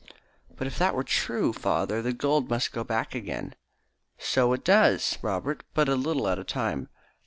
"But if that were true, father, the gold must go back again." "So it does, Robert, but a little at a time.